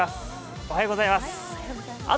おはようございます。